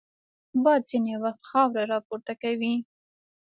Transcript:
باد ځینې وخت خاوره راپورته کوي